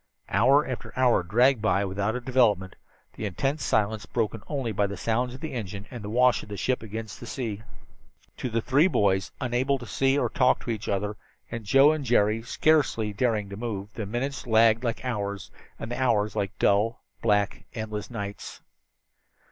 Hour after hour dragged itself by without a development, the intense silence broken only by the sounds of the engines and the wash of the sea against the ship. To the three boys, unable to see or talk to each other, and Joe and Jerry scarcely daring to move, the minutes lagged like hours, and the hours like dull, black, endless nights.